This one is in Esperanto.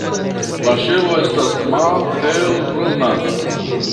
La ŝelo estas malhelbruna.